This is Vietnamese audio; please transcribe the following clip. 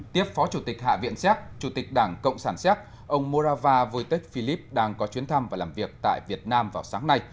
tiếp phó chủ tịch hạ viện séc chủ tịch đảng cộng sản séc ông morava vutech philip đang có chuyến thăm và làm việc tại việt nam vào sáng nay